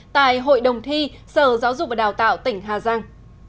tại hội đồng thi sở giáo dục và đào tạo tỉnh hà giang